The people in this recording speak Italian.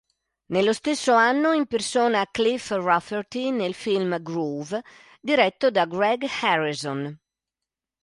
Nello stesso anno impersona Cliff Rafferty nel film Groove diretto da Greg Harrison.